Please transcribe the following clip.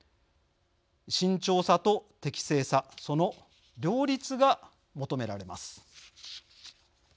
慎重さと適正さその両立が求められます。